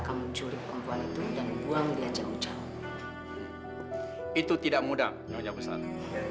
kamu curi perempuan itu jangan buang dia jauh jauh itu tidak mudah nyawa nyawa salah